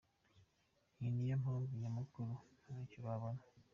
Iyi niyo mpamvu nyamukuru ntacyo babona.